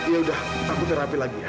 ya udah aku terapi lagi ya